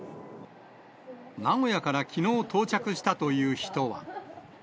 名古屋からきのう到着したという人は。